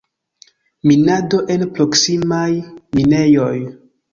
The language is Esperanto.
Minado en proksimaj minejoj.